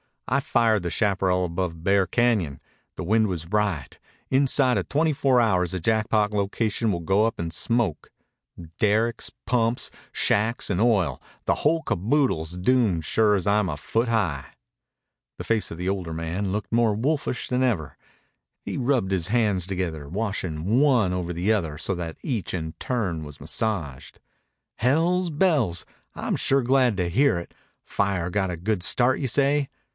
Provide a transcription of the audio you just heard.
I fired the chaparral above Bear Cañon. The wind was right. Inside of twenty four hours the Jackpot locations will go up in smoke. Derricks, pumps, shacks, an' oil; the whole caboodle's doomed sure as I'm a foot high." The face of the older man looked more wolfish than ever. He rubbed his hands together, washing one over the other so that each in turn was massaged. "Hell's bells! I'm sure glad to hear it. Fire got a good start, you say?"